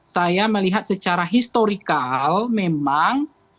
saya melihat secara historikal memang